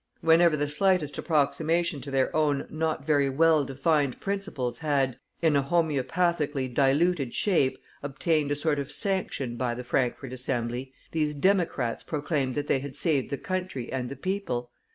Whenever the slightest approximation to their own not very well defined principles had, in a homoeopathically diluted shape, obtained a sort of sanction by the Frankfort Assembly, these Democrats proclaimed that they had saved the country and the people.